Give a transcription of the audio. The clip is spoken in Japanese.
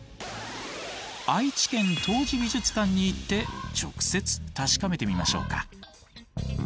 愛知県陶磁美術館に行って直接確かめてみましょうか。